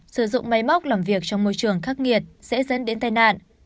sử dụng máy móc làm việc trong môi trường khắc nghiệt sẽ dẫn đến tai nạn